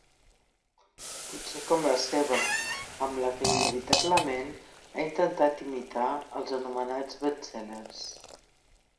Potser com la seva, amb la que inevitablement ha intentat imitar els anomenats best-sellers.